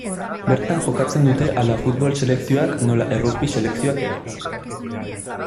Bertan jokatzen dute hala futbol selekzioak nola errugbi selekzioak ere.